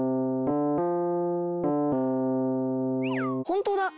ほんとだ！